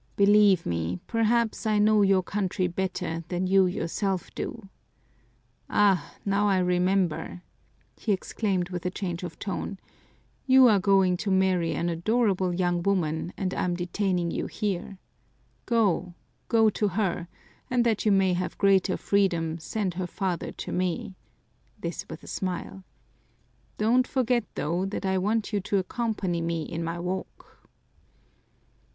Believe me, perhaps I know your country better than you yourself do. Ah, now I remember," he exclaimed with a change of tone, "you are going to marry an adorable young woman and I'm detaining you here! Go, go to her, and that you may have greater freedom send her father to me," this with a smile. "Don't forget, though, that I want you to accompany me in my walk."